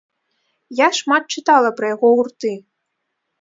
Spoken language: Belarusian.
Я шмат чытала пра яго гурты.